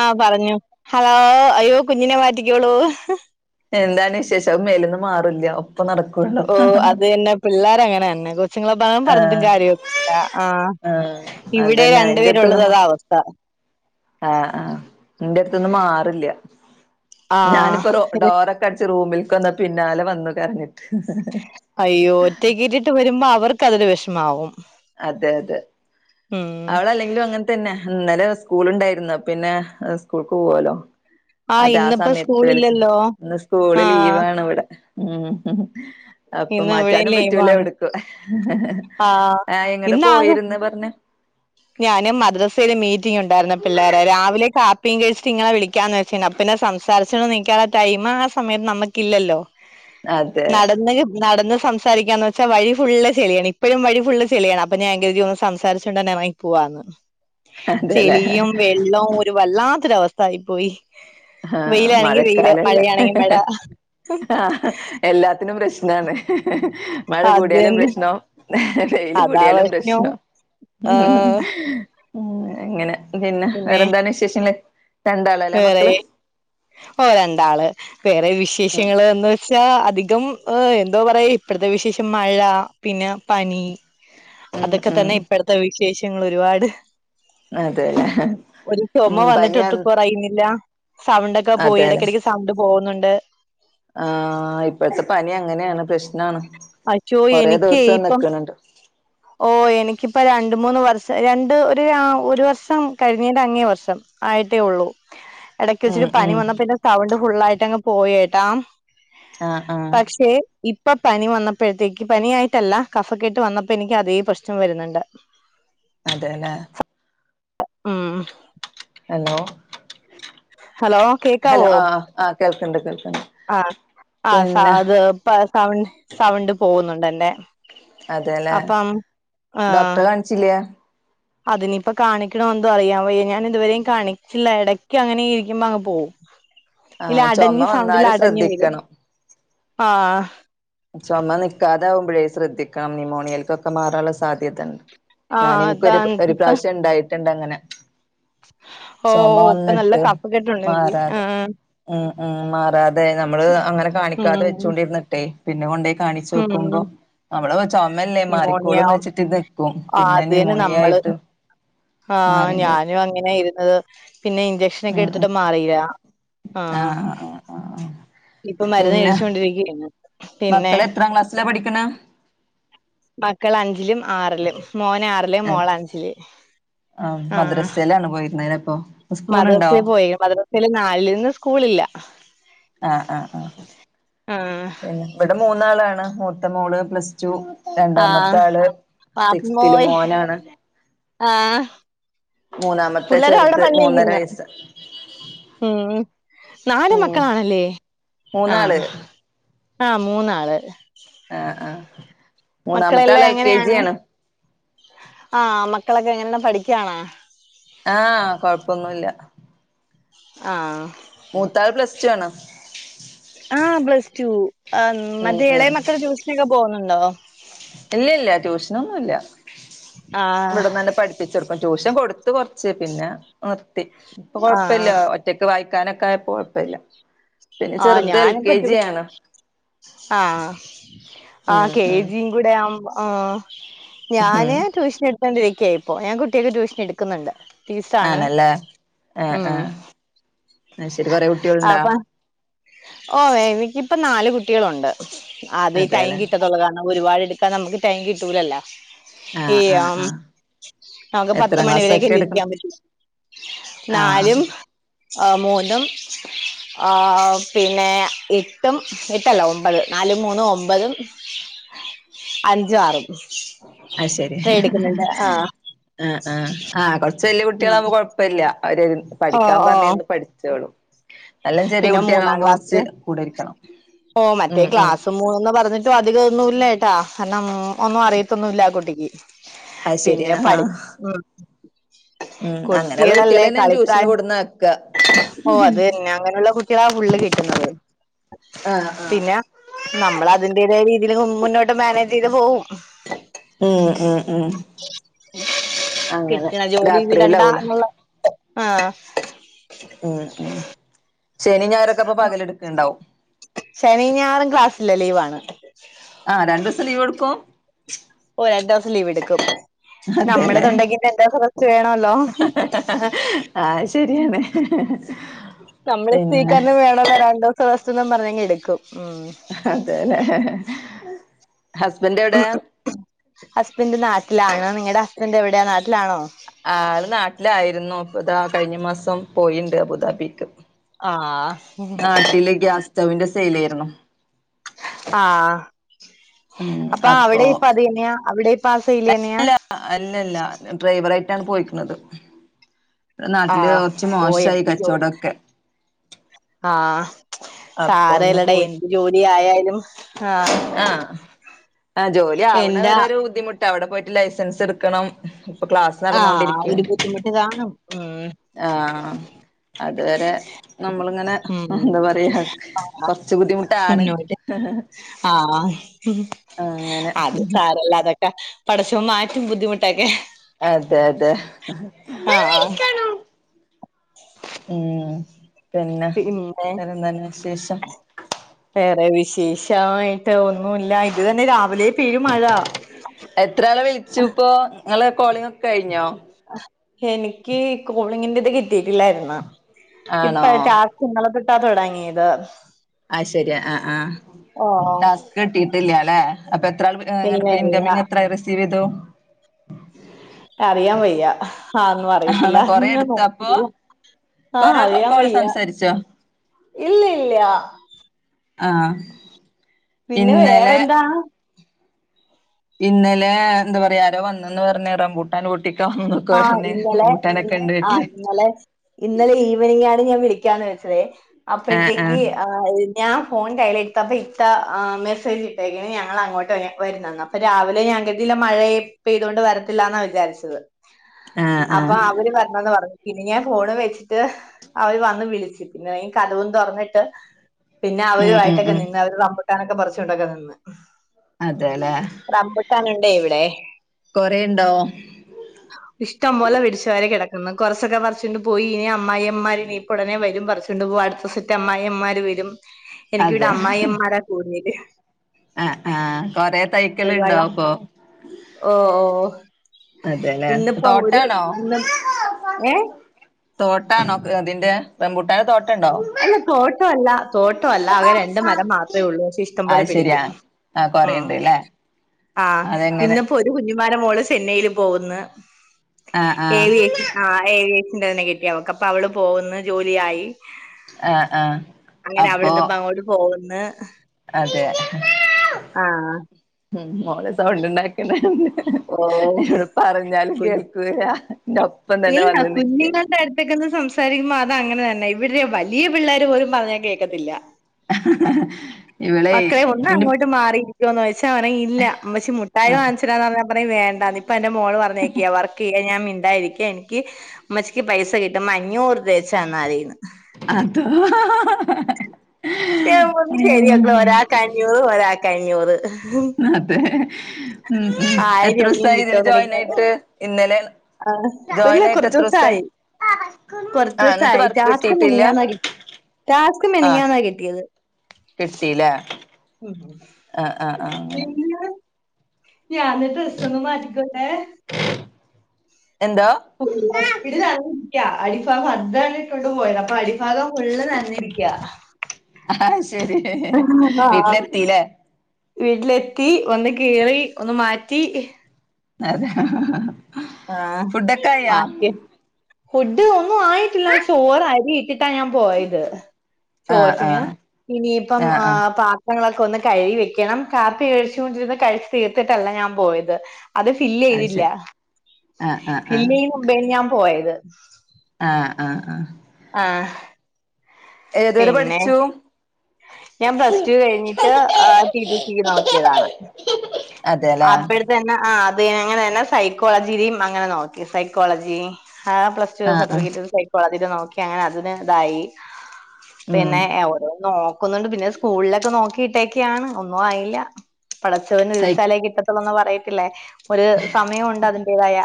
ആ പറഞ്ഞു ഹലോ അയ്യോ കുഞ്ഞിനെ മാറ്റിക്കോളൂ എന്താണ് വിശേഷം അവൻ മേലുന്ന് മാറൂല്ല ഒപ്പം നടക്കും ഓ അത് തന്നെ പിള്ളേർ അങ്ങനെ തന്നെ ച്ചുങ്ങളെ പാവം പറഞ്ഞിട്ടും ആഹ് കാര്യൊന്നുല്ല ആ ആഹ് ഇവിടെ അതന്നെ രണ്ടു എന്റെടുത്ത്ന്ന് പേരുള്ളത് മാ അതാ അവസ്ഥ ആഹ് ആ ന്റെ അടുത്തൊന്നും മാറുല്ല ഞാനിപ്പോ റോ ആഹ് ഡോറൊക്കെ അടച്ച് റൂമിൽക്ക് വന്ന പിന്നാലെ വന്നു കരഞ്ഞിട്ട് അയ്യോ ഒറ്റക്ക് ഇറ്റിട്ട് വരുമ്പോ അവർക്ക് അതിരു വിഷമാവും അതെ അതെ ഉം അവളല്ലെങ്കിലും അങ്ങനത്തെ തന്നെ ഇന്നലെ സ്കൂൾ ഉണ്ടായിരുന്നു പിന്നെ സ്കൂൾക്ക് പോവല്ലോ ആഹ് അതാ ആ ഇന്നിപ്പോ സമയത്ത് വിളിച്ചി സ്കൂളില്ലല്ലോ ഇന്ന് സ്കൂള് ആഹ് ലീവാണ് ഇവിടെ മ് അപ്പ ഇന്ന് ഇവിടെയും മാറ്റാനും പറ്റൂല ലീവാണ് എവിടക്കും ആഹ് ഇങ്ങടെ പോയിരുന്ന പറഞ്ഞേ? ഞാനും മദ്രസയില് മീറ്റിംഗ് ഉണ്ടായിരുന്നു പിള്ളേരെ രാവിലെ കാപ്പിയും കഴിച്ചിട്ട് ഇങ്ങളനെ വിളിക്കാന്ന് വച്ച ച്ചിന്ന അപ്പേ പിന്നെ സംസാരിച്ചോണ്ട് നിക്കാൻള്ള ടൈം ആ സമയത്ത് നമുക്കില്ലല്ലോ അതെ നടന്ന് നടന്ന് സം സംസാരിക്കാന്ന് വെച്ചാ വഴി ഫുള്ള് ചെളിയാണ് ഇപ്പോഴും വഴി ഫുള്ള് ചെളിയാണ് അപ്പോ ഞാൻ കരുതി സംസാരിച്ചോണ്ട് തന്നെ വഴി പോവാന്ന് അതെല്ലേ ചെളിയും വെള്ളവും ഒരു വല്ലാത്തൊരവസ്ഥ ആയി പോയി ആഹ് വെയിലാണെങ്കി വെയില് മഴക്കാലല്ലേ മഴയാണെങ്കി മഴ ആഹ് എല്ലാത്തിനും പ്രശ്നാണ് മഴ അത് കൂടിയാലും തന്നെ. പ്രശ്നം വെയില് കൂടിയാലും പ്രശ്നം ആഹ് മ് ഇങ്ങനെ പിന്നെ വേറെന്താണ് വിശേഷങ്ങൾ രണ്ടാളല്ലേ വേറെ മക്കള് ഓ രണ്ടാള് വേറെ ഉം വിശേഷങ്ങൾ എന്ന് വെ ക്ഷ അധികം ഓ എന്തോ പറയ് ഇപ്പോഴത്തെ വിശേഷം മഴ പിന്നെ പനി ഉം അതൊക്കെ ഉം തന്നെ ഇപ്പഴത്തെ വിശേഷങ്ങൾ ഒരുപാട് അതെല്ലേ ഉം പനിയ കഴുന്നില്ല സൗണ്ട് ഒക്കെ പോയി ഇടക്കിടക്ക് സൗണ്ട് പോകുന്നുണ്ട് ആഹ് ഇപ്പോഴത്തെ പനി അങ്ങനെയാണ് പ്രശ്നാണ് അശോ കൊറേ എനിക്ക് ദിവസം ഇപ്പം നികുണുണ്ട് ഓ എനിക്കിപ്പോ രണ്ട് മൂന്ന് വർഷം രണ്ട് ഒരു ഒരു വർഷം കഴിഞ്ഞേൻ്റെ അങ്ങേ വർഷം ആയിട്ടേ ഉള്ളൂ ഇടക്ക് ഉം വെച്ചിട്ട് പനി ഉം വന്നപ്പ പിന്നെ സൗണ്ട് ഫുൾ ആയിട്ട് അങ്ങ് പോയേട്ടാ ആഹ് ആഹ് പക്ഷെ ഇപ്പൊ പനി വന്നപ്പോഴത്തേക്ക് പനിയായിട്ടല്ല കഫക്കെട്ട് വന്നപ് ഇപ്പ ഇനിക്ക് അതേ പ്രശ്നം വരുന്നുണ്ട് അതെല്ലേ ഉം ഹലോ ഹലോ ഹലോ ആഹ് കേൾക്ക്ണ്ട് കേൾക്ക്ണ്ട് ആഹ് ആഹ് സ പിന്നെ അത് സൗണ്ട് സൗണ്ട് പോവുന്നുണ്ടല്ലെ അതെല്ലേ ഡോക്ടറെ കാണിച്ചില്ല്യാ അതിനിപ്പ കാണിക്കണോ എന്തോ അറിയാൻ വയ്യ ഞാൻ ഇതുവരെയും കാണിച്ചില്ല എടയ്ക്ക് അങ്ങനെ ഇരിക്കുമ്പോ അങ്ങ് പോവും ഇല്ല ആഹ് ചുമ അടഞ്ഞി സൗണ്ടില് വന്നാല് അടഞ്ഞ് വരും ശ്രദ്ധിക്കണം ആഹ് ചുമ നിൽക്കാതെ ആകുമ്പഴേ ശ്രദ്ധിക്കണം ന്യൂമോണിയയിലൊക്കെ മാറാനുള്ള സാധ്യതണ്ട് ഞാന് ആഹ് അതാ ഇൻക്കൊരു ഒരു പ്രാവശ്യം ഇണ്ടായിട്ടുണ്ട് അങ്ങനെ ഓ ചൊമ ഇപ്പൊ നല്ല വന്നിട്ട് കഫക്കെട്ടുണ്ട് എനിക്ക് മാറാതെ ആഹ് ഉം ഉം മാറാതെ നമ്മള് അങ്ങനെ ഉം കാണിക്കാതെ വെച്ചോണ്ടിരുന്നിട്ടെ പിന്നെ കൊണ്ടോയി കാണിച്ചു ഉം നോക്കുമ്പോ നമ്മള് ചൊമല്ലേ ന്യൂമോണിയ മാറിക്കോളുന്ന് വെച്ചിട്ട് നികും ആഹ് പിന്നെ അത് തന്നെ ന്യൂമോണിയ നമ്മള് ആയിട്ട് ആഹ് മാറിണ്ട് ഞാനും അങ്ങനൊയിരുന്നത് പിന്നെ ഇൻഞ്ചെ ക്ഷനൊക്കെ ഉം ഉം എടുത്തിട്ടും മാറിയിലാ ആഹ് ഇപ്പൊ മരുന്ന് പിന്നെ കഴിച്ചോണ്ടിരിക്കയാണ് പിന്നെ എന്താ പഠിക്ണെ മക്കള് അഞ്ചിലും ആറിലും മോൻ ആറില് മോള് അഞ്ചില് ആഹ് മദ്രസയിലാണ് പോയിരുന്നതിലപ്പോ മദ്രസേ പോയി മദ്രസയില് നാലില് ഇന്ന് സ്കൂളില്ല ആഹ് ആഹ് ആഹ് ആഹ് പിന്നെ ഇവിടെ മൂന്നാളാണ് മൂത്തമോള് പ്ലസ്ടു രണ്ടാമത്തെ ആഹ് ആള് സിക്സ്ത്തിലും പാപ്പുമോയ് മോനാണ് ആഹ് മൂന്നാമത്തെ പിള്ളേര് അവിടെ ചെറുത് മൂന്നര പള്ളിയിൽക്കുന്ന് വയസ്സ് ഉം നാല് ഉം മക്കളാണല്ലേ മൂന്നാള് ആഹ് ആഹ് മൂന്നാള് ആഹ് ആഹ് മൂന്നാമത്തെ ആള് മക്കളെല്ലാം എൽ കെ ജി എങ്ങനെയാണ് ആണ് ആ മക്കളൊക്കെ എങ്ങനെ പഠിക്കാണോ ആഹ് കൊഴപ്പൊന്നുല്ല ആഹ് മൂത്താൾ പ്ലസ്ടു ആണ് ആഹ് പ്ലസ്ടൂ ഉം മറ്റേ എളേ ഉം മക്കള് ട്യൂഷനൊക്കെ പോകുന്നുണ്ടോ ഇല്ലില്ല ട്യൂഷനൊന്നുല്ല ആഹ് വ്ട്ന്നന്നെ പഠി പ്പിച്ചൊട്ക്കും ഇപ്പോ ട്യൂഷൻ കൊടുത്തു കൊർച്ച് പിന്നെ നിർത്തി ഇപ്പ കൊഴപ്പില്ല ആഹ് ഒറ്റക്ക് വായിക്കാനൊക്കെ ആയപ്പൊ കൊഴ്പ്പല്ല്യ ആഹ് ഞാനപ്പൊ ടു ആണ് ആഹ് ആഹ് ഉം കെ ഉം ജി കൂടെ ആവുമ്പോ ആഹ് ഉം ഞാന് ട്യൂഷനെ കൊടുത്തോണ്ടിരിക്കായിപ്പോ ഞാൻ കുട്ടിയക്ക് ട്യൂഷനെടുക്കുന്നുണ്ട് ടീച്ചറാണ് ഉം അയ്ശരി കൊറേ കുട്ടിയോള്ണ്ടാ ഓഹ് എനിക്കിപ്പം നാല് കുട്ടികളുണ്ട് അതീ ടൈം അതെല്ലെ കിട്ടത്തുള്ളൂ കാരണം ഒരുപാടെ പ്പം നമ്മക്ക് ടൈം കിട്ടൂലല്ല ആഹ് ആഹ് ഈയം ആഹ് നമുക്ക് പത്ത് എത്രാം ക്ലാസ്സൊക്കെ എടുക്കണ് മണിവരെയൊക്കല്ലിരിക്കാൻ പറ്റു ആഹ് നാലും ആഹ് മൂന്നും ആഹ് പിന്നെ എട്ടും എട്ടല്ല ഒമ്പത് നാലും മൂന്നു ഒമ്പതും അഞ്ചും ആറും അത് ശരി ഇത്രയെട്ക്ക്ന്നിണ്ട് ആഹ് ആഹ് ആഹ് ആഹ് കൊറച്ച് വല്യ കുട്ടികളാവുമ്പോ കൊഴപ്പല്ല്യ അവരൊരു ഓ പഠിക്കാൻ ഓ പറഞ്ഞായിര്ന്ന് പഠിച്ചോളു പിന്നെ മൂന്നാം ക്ലാസ്ല് കൂടെ ഇരിക്കണം ഓഹ് മറ്റേ ഉം ഉം ക്ലാസും മൂന്ന്ന്ന് പറഞ്ഞി ട്ട അതികൊന്നുല്ലയെട്ടാ കാരണം ഒന്നു അറിയത്തൊന്നുയില്ല ആ കുട്ടിക്ക് അത് ശരി പിന്നെ ആ ആ പഠി ഉം ഉം അങ്ങനെയുള്ള കുട്ടിയെളല്ലേ കുട്ടികളെന്നെ ട്യൂഷന് കളിപ്രായം കൊടുന്നാക്ക ഓ അത് പിന്നങ്ങനുള്ള കുട്ടികളാ ഫുള്ള് കിട്ടുന്നത് ആഹ് ആഹ് പിന്ന നമ്മളതിന്റേതായരീതിയില് മുന്നോട്ട് മാനേജെയ്ത് പോവും ഉം ഉം ഉം അങ്ങനെ കിട്ടണ ജോലി വിടണ്ട രാത്രിയിലാവൂല എന്നുള്ള ആഹ് ഉം ഉം ശനി ഞായറോക്കെ അപ്പൊ പകലെടുക്കണണ്ടാവും ശനീ ഞായറും ക്ലാസ്സില്ല ലീവാണ് ആഹ് രണ്ടൂസം ലീവെടുക്കും ഓഹ് രണ്ടു ദിവസം ലീവെടുക്കും നമ്മടെ അതെല്ലേ തൊണ്ടക്കും രണ്ടെസം റസ്റ്റ് വേണല്ലോ ആഹ് ശരിയാണ് നമ്മള് പിന്നെ [unintelligible] വേണല്ലോ രണ്ടൂസം റെസ്റ്റെന്നും പറഞ്ഞങ്ങെടുക്കും ഉം അതെല്ലേ ഹസ്ബൻഡെവിടെ ഹസ്ബൻ്റ് നാട്ടിലാണ് നിങ്ങടെ ഹസ്ബൻഡെവിടെയാ നാട്ടിലാണോ ആള് നാട്ടിലായിരുന്നു ഇപ്പതാ കഴിഞ്ഞ മാസം പോയിണ്ട് അബുദാബിക്ക് ആഹ് നാട്ടില് ഗ്യാസ് സ്റ്റവിന്റെ സെയിലേരുന്നു ആഹ് ഉം അപ്പ അവിടെ അപ്പൊ ഇപ്പതെന്നെയാ അവിടെ ഇപ്പ ആഹ് സെയിലെന്നെ അല്ല അല്ലല്ല ഡ്രൈവറായിട്ടാണ് പോയിക്ക്ണത് നാട്ടില് ആഹ് കൊർച്ച് ഓ മോശായി എന്ത് ജോ കച്ചോടൊക്കെ ആഹ് അപ്പൊ ഒന്ന് സാരയില്ലടെയ് പോയി എന്ത് ജോലി ആയാലും ആഹ് ആഹ് ആഹ് ജോലി ആവണ എന്താ വരെ ഒരു ബുദ്ധിമുട്ട് അവിടെ പോയിട്ട് ലൈസൻസ് എടുക്കണം ഇപ്പൊ ക്ലാസ് ആഹ് ആഹ് ഒരു നടന്നോണ്ടിരിക്കയാണ് ബുദ്ധിമുട്ട് കാണും ഉം ആഹ് അതുവരെ നമ്മളിങ്ങനെ ഉം എന്ത പറയാ കൊറച്ച് ബുദ്ധിമുട്ടാണ് മുന്നോട്ട് [unintelligible] ആഹ് അങ്ങനെ അത് സാരല്ല അതെ പടച്ചോൻ മാറ്റും ബുദ്ധിമുട്ടൊക്കെ അതെ അതെ ആഹ് ആഹ് ഉം പിന്നെ പിന്നെ വേറെന്താണ് വിശേഷം വേറെ വിശേഷമായിട്ട് ഒന്നുല്ല ഇത് തന്നെ രാവിലെ പെരു മഴ എത്രാളെ വിളിച്ചുപ്പോ ങ്ങളെ കോളിങ്ങക്കെ കഴിഞ്ഞോ എനിക്ക് കോളിങ്ങിന്റെ ഇത് ആണോ കിട്ടീട്ടില്ലായിരുന്ന്ഇപ്പഴാ ട്ടാ ഇന്നലെ തൊട്ട തൊടങ്ങിയത് ആഹ് ശരിയാ ആഹ്ആഹ് ഓഹ് ടാസ്ക് കിട്ടിട്ടില്ലല്ലെ അപ്പ എ ത്രാൾ വി ഇല്ല ഏ ഇല്ല ഇൻകമിംഗ് എത്ര റിസീവ് ചെയ്തു അറിയാൻ വയ്യ ആഹ് ഒന്നും അറിയത്തില്ല ആണോ കൊറെ ങ്ങൻ എടുത്ത നോക്കി അപ്പൊ ആഹ് കൊറെ അറിയാൻ കോള് വയ്യ സംസാരിച്ചോ ഇല്ല്യല്ല്യ ആഹ് പിന്നെ വേറെന്താ ഇന്നലെ എന്താ പറയാ ആരോ വന്നുന്ന് പറഞ്ഞ് റംമ്പൂട്ടൻ പൊട്ടി ആഹ് ഇന്നലെ ആഹ് വീട്ടില് ഇന്നലെ ഇന്നലെ ഈവനിംഗ ആണെ ഞാൻ വിളിക്കാന്ന് വെച്ചതേ ആ ആ അപ്പോഴത്തേക്ക് ഞാൻ ഫോൺ കയ്യിലെട്ത്ത് അപ്പോ ഇത്ത ആ മെസ്സേജ് ഇട്ടേക്ക്ന് ഞങ്ങൾ അങ്ങോട്ട് വെർ വരുന്നെന്ന് അപ്പ രാവിലെ ഞാൻ കര്തിയില്ല മഴയെ പെയ്ത കൊണ്ട് വരത്തില്ലാന്നാ വിചാരിച്ചത് ആ ആ അപ്പൊ അവര് പർഞ്ഞന്ന് പർഞ്ഞ് പിന്നെ ഞാൻ ഫോണ് വെച്ചിട്ട് അവര് വന്ന് വിളിച്ച് പിന്നെ കഥവും തുറന്നിട്ട് പിന്നെ അവരു ഉം ഉം ആയിട്ടൊക്കെ ഉം നിന്ന് അവരു റമ്പുട്ടാനൊക്കെ പറച്ചുകൊണ്ടാകാനിന്ന് അതെലെ എത്താനുണ്ടേ ഇവിടെ കൊറെണ്ടോ ഇഷ്ടം പോലെ പിട്ച്ച് വാരികിടക്കുന്നു കുറച്ചൊക്കെ പറച്ചൊണ്ട് പോയി ഇനി അമ്മായിമ്മമാരിനി ഉടനെ വരും പറിച്ചോണ്ട് പോ അട്ത്ത സെറ്റ് അമ്മായി അമ്മാർ വരും ഉ എനിക്ക് ഇവിടെ അമ്മായിയമ്മമാരാ കൂടുതല് ആഹ് ആഹ് കൊറെ ഒരുപാട് തൈക്കള്ണ്ടോപ്പോ ഓ ഓ അതെല്ലേ ഇന്നിപ്പോ ഒരു തോട്ടണോ ഇന്ന് ഏ തോട്ടണോ അതിന്റെ റമ്പുട്ടാന്റെ തോട്ട് ട്ടണ്ടോ അല്ല തോട്ടമല്ല തോട്ടമല്ല ആകെ രണ്ട് മരം മാത്രമേ ഉള്ളൂ പക്ഷെ ഇഷ്ടം പോലെ ആയ് ശരി പിടിക്കും ആഹ് ആഹ് കൊറേയ്ണ്ട്ല്ലേ ആഹ് ഇന്ന്പ്പോ ഒരു കുഞ്ഞിമാന്റെ മോള് ചെന്നൈല് പോകുന്ന് ആഹ് ആഹ് ഏവിയേ ആഹ് ഏവിയേഷന്റെ തന്നെ കിട്ടിയ അവക്ക് അപ്പൊ അവള് പോവ്ന്ന് ജോലിയായി ആഹ് ആഹ് അങ്ങനെ അവള് അപ്പൊ ഇന്ന്പ്പ അങ്ങോട്ട് പോകുന്ന് അതെ ആ ഉം മോളെ സൗണ്ട് ഉണ്ടാക്ക്ണ് ണ്ട്. ഓ ഇവള് പർഞ്ഞാലും കുഞ്ഞ് കേൾക്കുലാ [unintelligible] ഇല്ല കുഞ്ഞ്ങ്ങൾടെ അട് ക്കന്ന് സംസാരിക്കുമ്പോ അത അങ്ങനെ തന്നെ ഇവര് വലിയ പിള്ളേർ പോലും പറഞ്ഞാൽ കേൾക്കത്തില്ല. ഹഹ്ഹ മക്കളെ ഒന്ന് അങ്ങോട്ട് മാറി ഒന്ന് വെച്ചാ പറിം ഇല്ല ഇമ്മച്ചിമുട്ടായി ആഹ് വങ്ങിച്ചരാന്ന് പറഞ്ഞ പറിം വേണ്ടാന്ന് ഇപ്പ് ഇപ്പൊ എന്റെ മോള് പറഞ്ഞേക്കിയ വർക്ക് ചെയ്യാ ഞാ മിണ്ടായിരിക്ക എനിക്ക് ഇമ്മച്ചിക്ക് പൈസ കിട്ടുമ്പോ അഞ്ഞൂറ് രൂപ വെച്ച് തന്നാമതീന്ന് അതാ എവിട്ന്ന് ശരിയാക്ക്ണ് ഒരാൾക്ക് അഞ്ഞൂറ് ഒരാൾക്ക് അഞ്ഞൂറ് അതെ ഉം ഉം ആയിരമെങ്കിലും എത്രോസായി ഇതില് കിട്ടുവോന്ന് ജോയിൻ എനിക്ക് ആയിട്ട് ഇന്നലെ ആഹ് ഇപ്പല്ല ജോയിൻ ആയിട്ട് എത്രൂസായി കൊർച്ചോസായി. കൊറച്ച് ആഹ് എന്നിട്ട് [unintelligible] വർക്ക് ടാസ്ക് കിട്ടിയിട്ടില്ല മെനഞ്ഞന്നാ കിട്ടി, ടാസ്ക് മെനഞ്ഞന്നാ കിട്ടിയത്. കിട്ടിലെ. മ് ആഹ് ആഹ് ആഹ് എങ്ങന? ഞാനി ഡ്രസ്സൊന്ന് മാറ്റിക്കോട്ടെ? എന്തോ? അപ്പിനടി നനഞ്ഞിരിക്ക, അടിഭാഗം [unintelligible] കൊണ്ട് പോയത്. അപ്പ അടിഭാഗം ഫുള്ള് നനഞ്ഞിരിക്കാ. ആഹ്ശരി ആ വീട്ടിലെത്തി ലെ? വീട്ടിലെത്തി, വന്ന് കേറി, ഒന്ന് മാറ്റ് റ്റി, അതെ ആഹ് ഫുഡൊക്കെ ആയോ [unintelligible] ഫുഡ് ഒന്നും ആയിട്ടില്ല, ചോറ് അരി ഇട്ടിട്ടാ ഞാ പോയത്, ആഹ് ചോറ്റിന് ആഹ് ഇനിപ്പം ആഹ് പാ ത്രങ്ങളൊക്കെ ഒന്ന് കഴികി വെക്കണം, കാപ്പി കഴിച്ചോണ്ടിരുന്ന് കഴിച്ച് തീർത്തിട്ടല്ല ഞാൻ പോയത്. അത് അത് ഫില്ലെയ്തില്ല. ശരി ആഹ് ആഹ് ആഹ് ഫില്ലെയും മുമ്പേണ് ഞാൻ പോയത്. ആഹ് ആഹ് ആഹ് ആഹ് ഏതുവരെ പിന്നെ പഠിച്ചു? ഞാൻ പ്ലസ് ടു കഴിഞ്ഞിട്ട്, ആഹ് ടി ടി സിക്ക് നോക്കിയതാണ്, അതെല്ലേ അപ്പഴ് അന്നെ ആഹ് അത് ഞാൻ അങ്ങനെ തന്നെ സൈക്കോളജി [unintelligible] അങ്ങനെ നോക്കി, സൈക്കോളജി ആഹ് പ്ലസ് ടു ആഹ് ആഹ് സർട്ടിഫിക്കറ്റ് സൈക്കോളജിന്റെ നോക്കി അങ്ങനെ അതിന് ഇതായി. ഉം പിന്നെ ഓരോ നോക്കുന്നുണ്ട്, പിന്നെ സ്കൂളിലൊക്കെ നോക്കിട്ടേക്കാണ്, ഒന്നും ആയില്ല. പടച്ചവന് സൈ വിധിച്ചാലേ കിട്ടത്തുള്ളൂന്ന് പറയത്തില്ലേ? ഒരു സമയമുണ്ട് അതിന്റേതായ.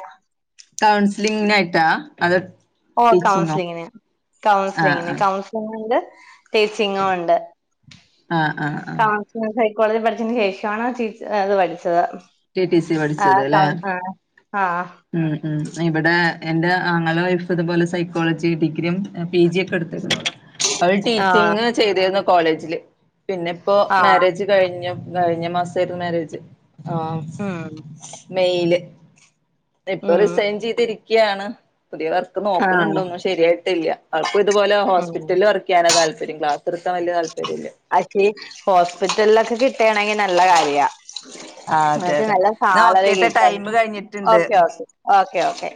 കൗൺസിലിംങ്ങിനായിട്ടാ അതോ ഓഹ് ടീച്ചിങ്ങോ കൗൺസിലിംങ്ങിന്, ആഹ് കൗൺസിലിംങ്ങിന്, ആഹ് കൗൺസിലിംങ്ങിന്റെ ടീച്ചിങ്ങും ഒണ്ട്, ആഹ് ആഹ് ആഹ് കൗ ഞാൻ സൈക്കോളജി പഠിച്ചതിന് ശേഷാണ് ടീച് അത് പഠിച്ചത്. ടി ടി സി ആഹ് [unintelligible] ആ ആഹ് മ് മ് ഇവട എന്റെ ആങ്ങളടെ വൈഫ് ഇതുപോലെ സൈക്കോളജി ഡിഗ്രിയും എ പി ജി ഒക്കെ [unintelligible] അവള് ആ ടീച്ചിങ് ചെയ്തിരുന്നു കോളേജില്, പിന്നെ ഇപ്പോ ആ മാരേജ് കഴിഞ്ഞ കഴിഞ്ഞ മാസമായിരുന്നു മാരേജ് ആഹ് മ് മെയില്, ഇപ്പ ഉം റിസൈൻ ചെയ്തിരിക്കയാണ്, പുതിയ വർ ക്ക് ആ നോക്കുണണ്ടൊന്നും ശരിയായിട്ടില്ല, അത് ഇപ്പ ഇതുപോലെ ഉം ഹോസ്പിറ്റല് വർക് ക്ക് ചെയ്യാനാ താല്പര്യം, ക്ലാസ് എടുക്കാൻ വല്യ താല്പര്യല്ല. [unintelligible] ഹോസ്പിറ്റലിലൊക്കെ കിട്ടുണെങ്കി നല്ല കാര്യ. ആഹ് അതെ മറ്റേ അതെ നല്ല എന്നാ സാലറി ഓക്കേട്ടോ ടൈം [unintelligible] കഴിഞ്ഞിട്ടുണ്ട് ഓക്കെ ഓക്കെ ഓക്കെ ഓക്കെ.